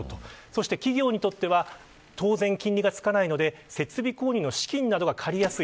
企業にとっては当然、金利がつかないので設備購入の資金などが借りやすい